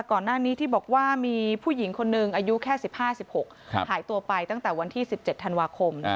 ก่อนหน้านี้ที่บอกว่ามีผู้หญิงคนหนึ่งอายุแค่๑๕๑๖หายตัวไปตั้งแต่วันที่๑๗ธันวาคม